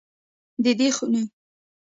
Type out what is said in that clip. د دې خونې